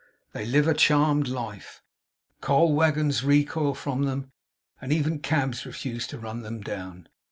They live a charmed life. Coal waggons recoil from them, and even cabs refuse to run them down.